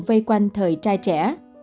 vây quanh thời trai trẻ